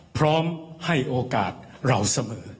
พร้อมให้โอกาสเราเสมอ